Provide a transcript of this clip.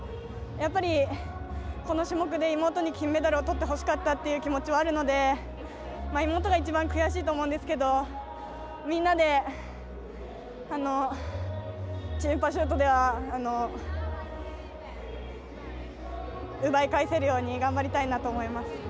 やっぱり、この種目で妹に金メダルを取ってほしかったという気持ちはあるので妹が一番悔しいと思うんですけど皆でチームパシュートでは奪い返せるように頑張りたいなと思います。